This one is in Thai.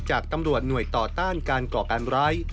จากตำรวจหน่วยต่อต้านการก่อการร้าย